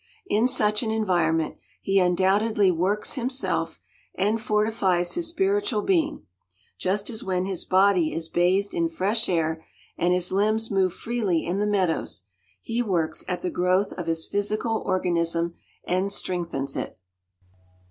In such an environment he undoubtedly works himself and fortifies his spiritual being, just as when his body is bathed in fresh air and his limbs move freely in the meadows, he works at the growth of his physical organism and strengthens it.